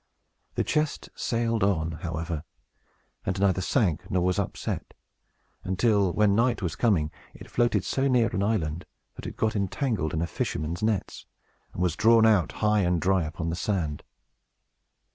The chest sailed on, however, and neither sank nor was upset; until, when night was coming, it floated so near an island that it got entangled in a fisherman's nets, and was drawn out high and dry upon the sand.